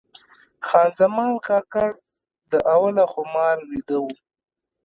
خان زمان کاکړ له اوله خمار ویده و.